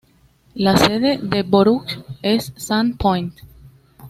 La sede del borough es Sand Point.